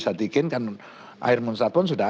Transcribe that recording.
satikin kan air munsat pun sudah